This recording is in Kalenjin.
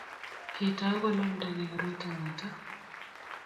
kiitou konamda gei koroito noto